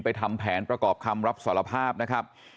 ทำแผนประกอบคำรับสารภาพนะครับ